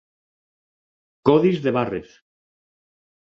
Codis de barres.